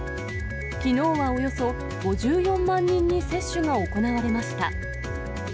きのうはおよそ５４万人に接種が行われました。